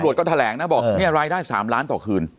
อับรวจก็แถลงนะบอกว่านี้รายได้๓ล้านต่อคืน